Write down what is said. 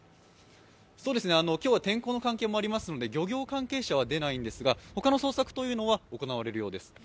今日は天候の関係もありますので漁業関係者は出ないんですが、他の捜索というのは、行われるようです。